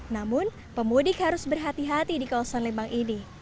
namun pemudik harus berhati hati di kawasan lembang ini